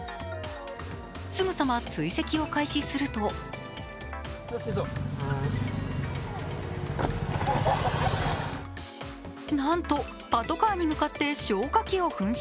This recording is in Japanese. すぐさま追跡を開始するとなんとパトカーに向かって消火器を噴射。